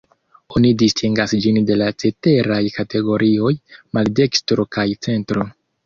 Oni distingas ĝin de la ceteraj kategorioj: maldekstro kaj centro.